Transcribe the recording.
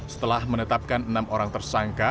setelah menetapkan enam orang tersangka